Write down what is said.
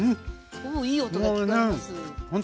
おおいい音が聞こえます。